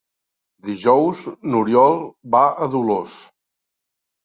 Dijous n'Oriol va a Dolors.